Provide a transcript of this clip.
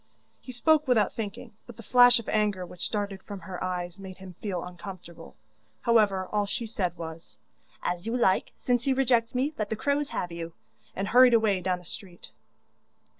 He spoke without thinking, but the flash of anger which darted from her eyes made him feel uncomfortable. However, all she said was: 'As you like; since you reject me, let the crows have you,' and hurried away down the street.